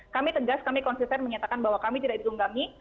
kami tegas kami konsisten menyatakan bahwa kami tidak ditunggangi